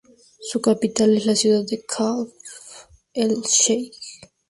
Su capital es la ciudad de Kafr el Sheij.